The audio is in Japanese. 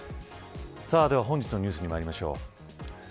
では本日のニュースにまいりましょう。